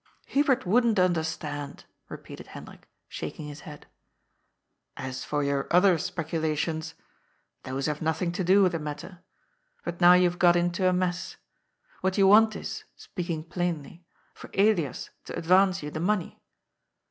" Hubert wouldn't understand," repeated Hendrik, shak ing his head. " As for your other speculations, those have nothing to do with the matter. But now you have got into a mess. What you want is — speaking plainly — for Elias to advance you the money.